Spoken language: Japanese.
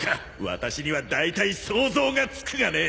私には大体想像がつくがね！